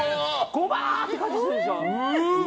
ゴマー！って感じがするでしょ？